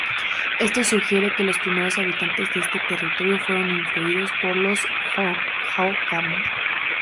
Esto sugiere que los primeros habitantes de este territorio fueron influidos por los hohokam.